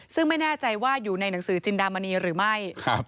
ซึ่งไม่แน่ใจว่าอยู่ในหนังสือจินดามณีหรือไม่